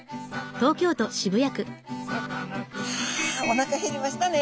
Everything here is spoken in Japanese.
あおなか減りましたね。